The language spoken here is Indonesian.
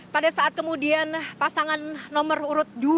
pada saat kemudian pasangan nomor urut dua